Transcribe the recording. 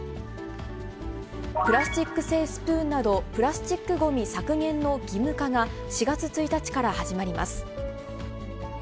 プラスチック製スプーンなどプラスチックごみ削減の義務化が、４月１日から始まります。